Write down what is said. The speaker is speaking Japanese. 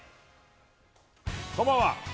こんばんは。